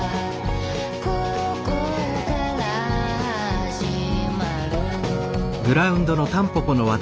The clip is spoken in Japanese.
「ここから始まる」